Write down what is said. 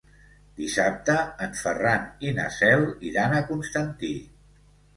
Dissabte en Ferran i na Cel iran a Constantí.